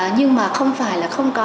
nhưng mà không phải là không có